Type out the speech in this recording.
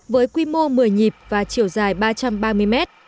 với quy mô một mươi nhịp và chiều dài ba trăm ba mươi mét